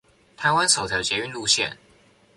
台灣首條捷運路線